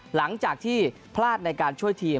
หลังจากที่พลาดในการช่วยทีม